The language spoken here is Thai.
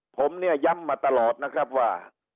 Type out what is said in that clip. ผมเนี่ยย้ำมาตลอดนะครับว่า